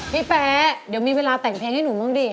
แป๊เดี๋ยวมีเวลาแต่งเพลงให้หนูบ้างดิ